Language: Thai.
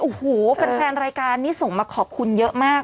โอ้โหแฟนรายการนี้ส่งมาขอบคุณเยอะมาก